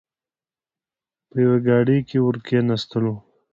په یوې ګاډۍ کې ور کېناستلو.